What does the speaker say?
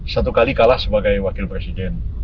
satu kali kalah sebagai wakil presiden